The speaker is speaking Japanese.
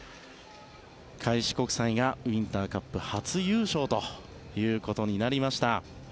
開志国際がウインターカップ初優勝ということになりました。